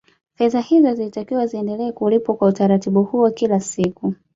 Fedha hizo zilitakiwa ziendelee kulipwa kwa utaratibu huo kila siku